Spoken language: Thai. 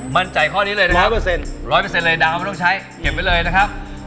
มั่นใจข้อนี้เลยนะครับ๑๐๐เลยดาวไม่ต้องใช้เก็บไว้เลยนะครับ